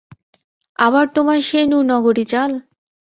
আবার তোমার সেই নুরনগরি চাল?